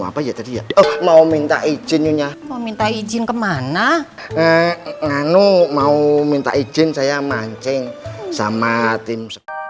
apa ya tadi ya oh mau minta izin nyonya mau minta izin kemana nganu mau minta izin saya mancing sama tim